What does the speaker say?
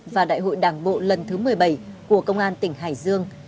và đại hội đảng bộ lần thứ một mươi bảy của công an tỉnh hải dương